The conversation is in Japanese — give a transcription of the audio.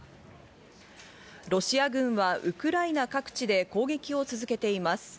ロシア軍はウクライナ各地で攻撃を続けています。